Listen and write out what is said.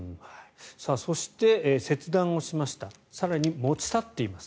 そして、切断をしました更に持ち去っています。